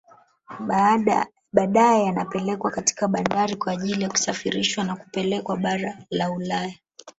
Badae yanapelekwa katika bandari kwa ajili ya kusafirishwa na kupelekwa bara la Ulaya